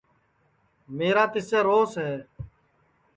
میرا تِسسے روس ہے